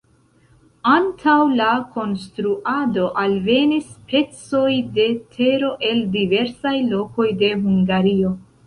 Antaŭ la konstruado alvenis pecoj de tero el diversaj lokoj de Hungario.